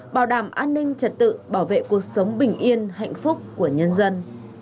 bảo đảm an ninh trật tự bảo vệ cuộc sống bình yên hạnh phúc của nhân dân